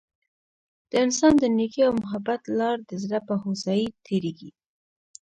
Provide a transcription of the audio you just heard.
د انسان د نیکۍ او محبت لار د زړه په هوسايۍ تیریږي.